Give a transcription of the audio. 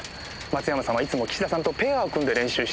松山さんはいつも岸田さんとペアを組んで練習してた。